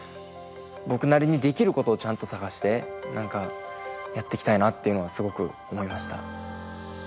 僕なりにできることをちゃんと探して何かやっていきたいなっていうのはすごく思いました。